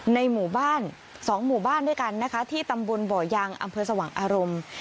ในหมู่บ้าน๒หมู่บ้านด้วยกันนะคะที่ตำบลบ่อยางอำเภอสว่างอารมณ์